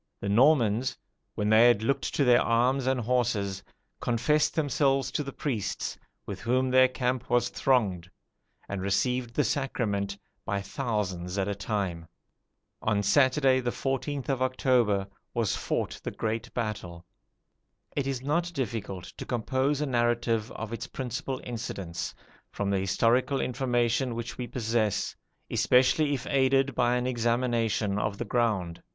The Normans, when they had looked to their arms and horses, confessed themselves to the priests, with whom their camp was thronged, and received the sacrament by thousands at a time. On Saturday, the 14th of October, was fought the great battle. It is not difficult to compose a narrative of its principal incidents, from the historical information which we possess, especially if aided by an examination of the ground.